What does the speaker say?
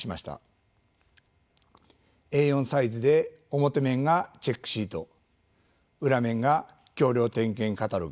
Ａ４サイズで表面がチェックシート裏面が橋梁点検カタログ